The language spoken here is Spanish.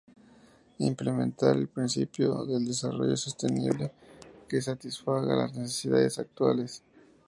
Implementar el principio del desarrollo sostenible, que satisfaga las necesidades actuales.